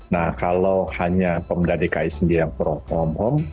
nah kalau hanya pemerintah dki sendiri yang pro